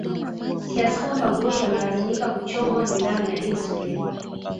kiasi kwamba mgonjwa analazimika kuchomwa sindano ya insulini